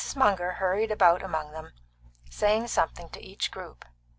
Munger hurried about among them, saying something to each group.